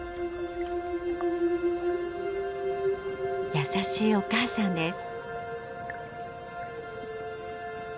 優しいお母さんです。